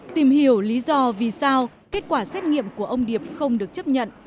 tìm hiểu lý do vì sao kết quả xét nghiệm của ông điệp không được chấp nhận